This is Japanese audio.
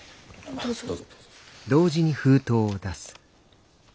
どうぞどうぞ。